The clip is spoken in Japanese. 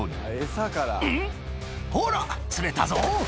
ほら釣れたぞ。